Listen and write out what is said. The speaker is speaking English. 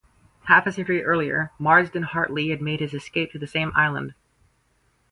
Half a century earlier, Marsden Hartley had made his escape to the same island.